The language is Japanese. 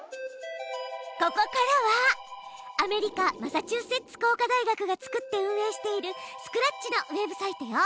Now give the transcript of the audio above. ここからはアメリカマサチューセッツ工科大学が作って運営しているスクラッチのウェブサイトよ。